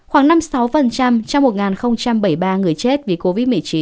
khoảng năm mươi sáu trong một bảy mươi ba người chết vì covid một mươi chín